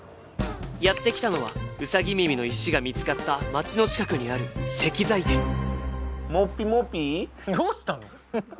やってきたのはウサギ耳の石が見つかった街の近くにある石材店もぴもぴどうしたの？